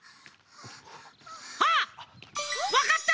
あっわかった！